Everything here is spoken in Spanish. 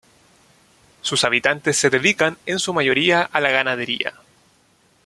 Sus habitantes se dedican en su mayoría a la ganadería.